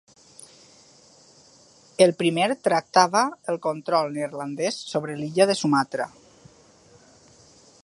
El primer tractava el control neerlandès sobre l'illa de Sumatra.